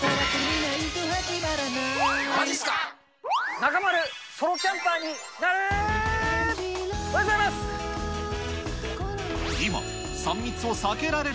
中丸、ソロキャンパーになる！